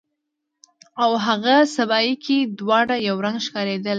او هاغه سبایي کې دواړه یو رنګ ښکاریدلې